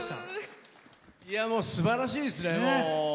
すばらしいですね。